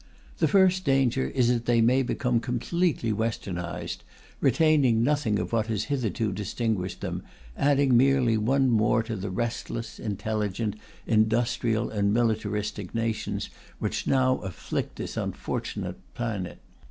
The first danger is that they may become completely Westernized, retaining nothing of what has hitherto distinguished them, adding merely one more to the restless, intelligent, industrial, and militaristic nations which now afflict this unfortunate planet.